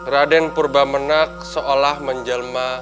raden purba menak seolah menjelma